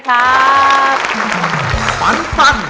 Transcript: ขอบคุณค่ะ